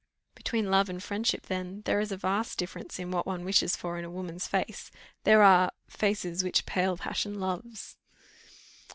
"Between love and friendship, then, there is a vast difference in what one wishes for in a woman's face; there are, 'faces which pale passion loves.